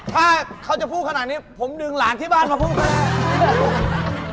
ถ้าเขาจะพูดขนาดนี้ผมดึงหลานที่บ้านมาพูดก็ได้